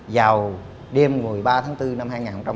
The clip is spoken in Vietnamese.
vào đêm một mươi ba tháng bốn năm hai nghìn một mươi sáu